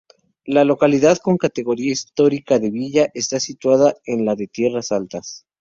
La localidad, con categoría histórica de villa, está situada en la de Tierras Altas.